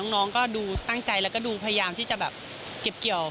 น้องก็ดูตั้งใจแล้วก็ดูพยายามที่จะแบบเก็บเกี่ยว